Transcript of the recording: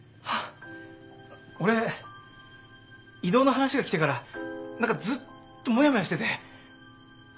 俺異動の話が来てから何かずっともやもやしてて。